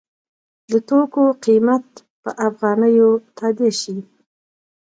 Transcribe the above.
د توکو قیمت په افغانیو تادیه شي.